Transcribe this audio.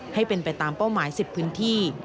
ให้เป็นไปตามเป้าหมาย๑๐พื้นที่